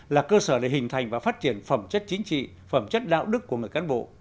là cơ sở để hình thành và phát triển phẩm chất chính trị phẩm chất đạo đức của người cán bộ